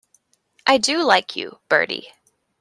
I do like you, Bertie.